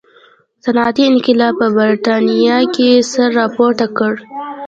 صنعتي انقلاب په برېټانیا کې سر راپورته کړي.